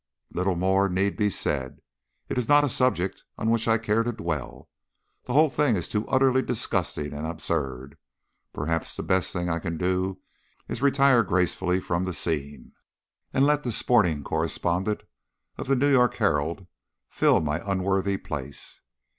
Little more need be said. It is not a subject on which I care to dwell. The whole thing is too utterly disgusting and absurd. Perhaps the best thing I can do is to retire gracefully from the scene, and let the sporting correspondent of the New York Herald fill my unworthy place.